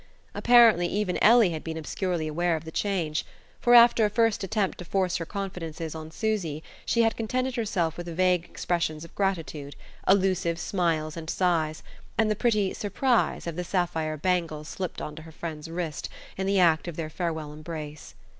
Apparently even Ellie had been obscurely aware of the change, for after a first attempt to force her confidences on Susy she had contented herself with vague expressions of gratitude, allusive smiles and sighs, and the pretty "surprise" of the sapphire bangle slipped onto her friend's wrist in the act of their farewell embrace.